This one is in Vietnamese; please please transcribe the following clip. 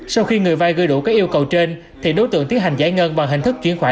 sau khi người vay gửi đủ các yêu cầu trên thì đối tượng tiến hành giải ngân bằng hình thức chuyển khoản